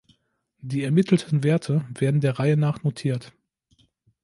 Die ermittelten Werte werden der Reihe nach notiert.